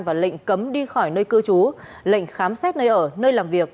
và lệnh cấm đi khỏi nơi cư trú lệnh khám xét nơi ở nơi làm việc